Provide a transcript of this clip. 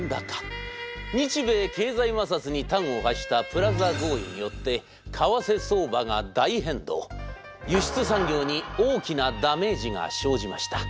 日米経済摩擦に端を発した「プラザ合意」によって為替相場が大変動輸出産業に大きなダメージが生じました。